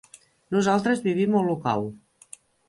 Nosaltres vivim a Olocau.